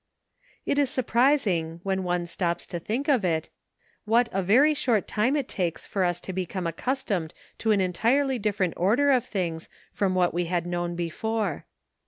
It is surprising, when one stops to think of it, what a very short time it takes for us to be come accustomed to an entirely different order of things from what we had known before.